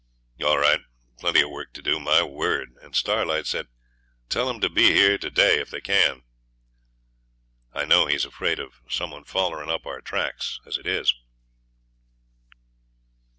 'All right. Plenty of work to do, my word. And Starlight said, "Tell 'em to be here to day if they can." I know he's afraid of some one follerin' up our tracks, as it is.'